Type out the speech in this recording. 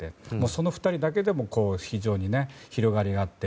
その２人だけでも非常に広がりがあって。